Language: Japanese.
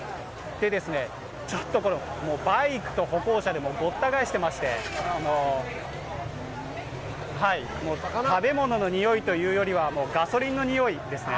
バイクと歩行者でごった返していまして、食べ物のにおいというよりは、ガソリンのにおいですね。